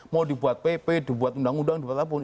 mau dibuat pp dibuat undang undang dibuat apapun